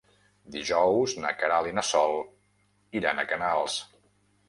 Dijous na Queralt i na Sol iran a Canals.